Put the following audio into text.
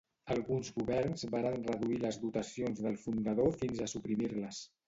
Alguns governs varen reduir les dotacions del fundador fins a suprimir-les.